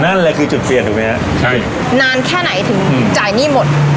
นั่นแหละคือจุดเสี่ยงถูกไหมฮะใช่นานแค่ไหนถึงจ่ายหนี้หมด